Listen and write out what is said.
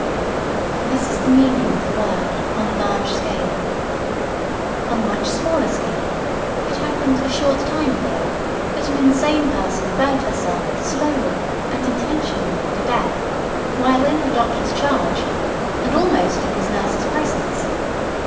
This is the meaning of the word, on a large scale. On a much smaller scale, it happened, a short time ago, that an insane person burned herself slowly and intentionally to death, while in her doctor's charge and almost in her nurse's presence.